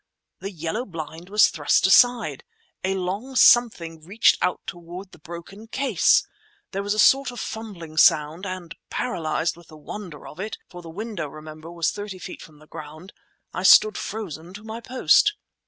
The yellow blind was thrust aside. A long something reached out toward the broken case. There was a sort of fumbling sound, and paralyzed with the wonder of it—for the window, remember, was thirty feet from the ground—I stood frozen to my post.